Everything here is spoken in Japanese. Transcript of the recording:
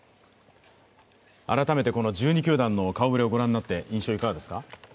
改めて１２球団の顔ぶれを御覧になって、印象は派いかがでしょうか？